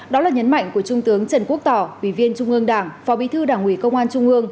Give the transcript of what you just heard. đó là nhấn mạnh của trung tướng trần quốc tỏ ủy viên trung ương đảng phó bí thư đảng ủy công an trung ương